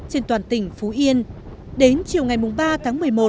trên toàn tỉnh phú yên đến chiều ngày ba tháng một mươi một